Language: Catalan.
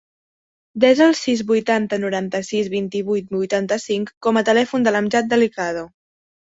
Desa el sis, vuitanta, noranta-sis, vint-i-vuit, vuitanta-cinc com a telèfon de l'Amjad Delicado.